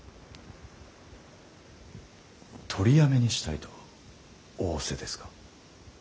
取りやめにしたいと仰せですか。